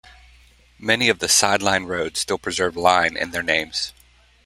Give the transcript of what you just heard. Many of the "sideline" roads still preserve "Line" in their names.